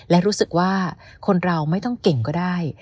และรู้สึกว่าคนเราไม่ต้องเก่งก็ได้